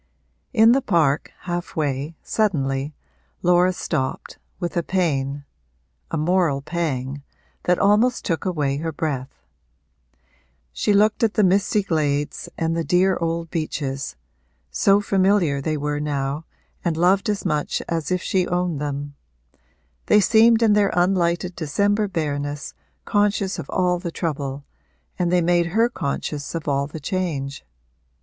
In the park, half way, suddenly, Laura stopped, with a pain a moral pang that almost took away her breath; she looked at the misty glades and the dear old beeches (so familiar they were now and loved as much as if she owned them); they seemed in their unlighted December bareness conscious of all the trouble, and they made her conscious of all the change.